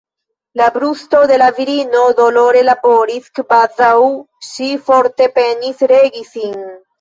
La brusto de la virino dolore laboris, kvazaŭ ŝi forte penis regi sin.